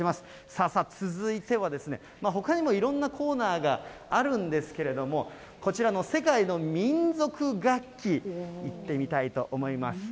さあさあ、続いては、ほかにもいろんなコーナーがあるんですけれども、こちらの世界の民族楽器、いってみたいと思います。